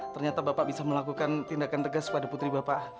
ternyata bapak bisa melakukan tindakan tegas pada putri bapak